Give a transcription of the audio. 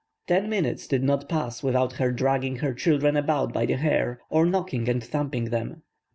Ten minutes did not pass without her dragging her children about by the hair, or kicking and thumping them.